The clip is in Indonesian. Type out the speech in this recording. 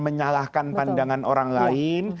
menyalahkan pandangan orang lain